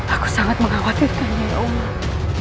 aku sangat mengkhawatirkan dari allah